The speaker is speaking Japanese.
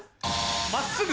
真っすぐ？